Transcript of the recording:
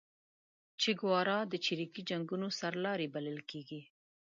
چیګوارا د چریکي جنګونو سرلاری بللل کیږي